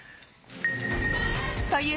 という